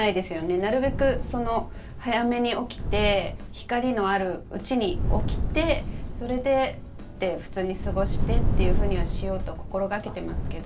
なるべく早めに起きて光のあるうちに起きて普通に過ごしてというふうにはしようと心がけていますけれど。